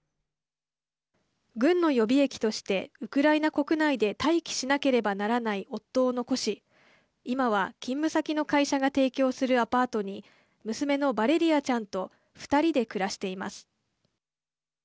軍の予備役としてウクライナ国内で待機しなければならない夫を残し今は勤務先の会社が提供するアパートに娘のバレリアちゃんと２人で暮らしています。